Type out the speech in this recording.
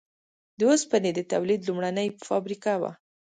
د اوسپنې د تولید لومړنۍ فابریکه وه.